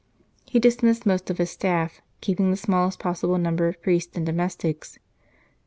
He dismissed most of his staff, keeping the smallest possible number of priests and domestics.